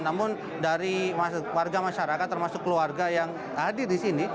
namun dari warga masyarakat termasuk keluarga yang hadir di sini